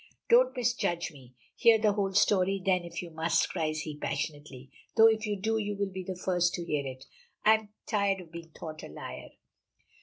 "Don't misjudge me. Hear the whole story then if you must," cries he passionately "though if you do, you will be the first to hear it. I am tired of being thought a liar!"